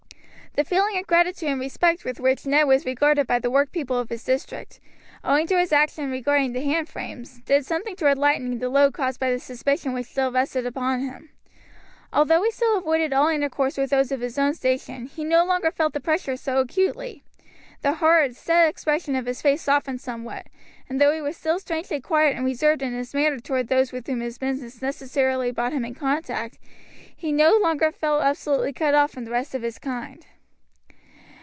The feeling of gratitude and respect with which Ned was regarded by the workpeople of his district, owing to his action regarding the hand frames, did something toward lightening the load caused by the suspicion which still rested upon him. Although he still avoided all intercourse with those of his own station, he no longer felt the pressure so acutely. The hard, set expression of his face softened somewhat, and though he was still strangely quiet and reserved in his manner toward those with whom his business necessarily brought him in contact, he no longer felt absolutely cut off from the rest of his kind.